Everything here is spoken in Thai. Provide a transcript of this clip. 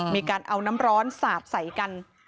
มีการเอาน้ำร้อนสาดใส่กัน